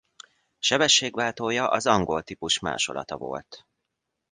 Sebességváltója az angol típus másolata volt.